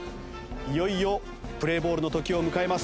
いよいよプレーボールの時を迎えます。